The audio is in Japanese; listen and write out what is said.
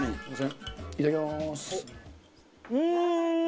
いただきます。